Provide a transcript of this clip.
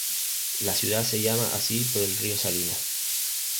La ciudad se llama así por el río Salinas.